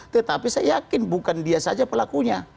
tetapi saya yakin bukan dia saja pelakunya